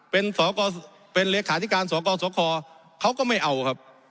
เป็นเป็นเลขาธิการส่อกอส่อคอเขาก็ไม่เอาครับ